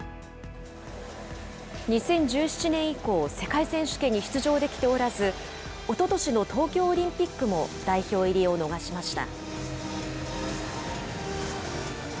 ２０１７年以降、世界選手権に出場できておらず、おととしの東京オリンピックも代表入りを逃しました。